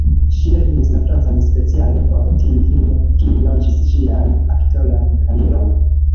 Ŝi lernis la francan speciale por tiu filmo, kiu lanĉis ŝian aktoran karieron.